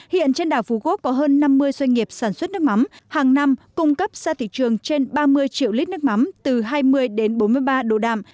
hiện trên đảo phú quốc có hơn năm mươi doanh nghiệp sản xuất nước mắm hàng năm cung cấp ra thị trường trên ba mươi triệu lít nước mắm từ hai mươi đến bốn mươi ba độ đạm